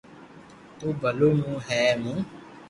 تو ڀلو مون نو مون